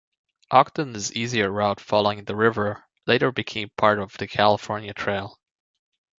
Ogden's easier route following the river later became part of the California Trail.